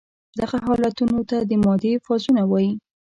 دغه حالتونو ته د مادې فازونه وايي.